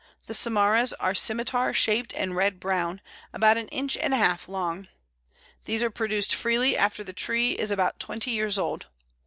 The samaras are scimitar shaped and red brown, about an inch and a half long. These are produced freely after the tree is about twenty years old.